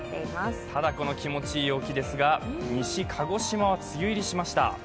ただこの気持ちいい陽気ですが西、鹿児島は梅雨入りしました。